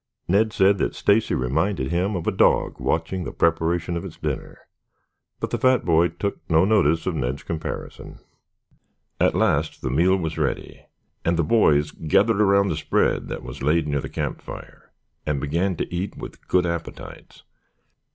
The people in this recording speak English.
Ned said that Stacy reminded him of a dog watching the preparation of its dinner, but the fat boy took no notice of Ned's comparison. At last the meal was ready and the boys gathered around the spread that was laid near the campfire, and began to eat with good appetites.